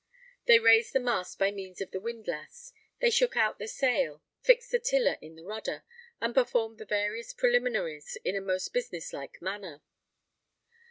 They raised the mast by means of the windlass; they shook out the sail; fixed the tiller in the rudder, and performed the various preliminaries in a most business like manner.